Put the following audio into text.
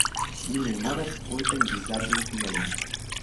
Mi memoras multajn vizaĝojn tiajn.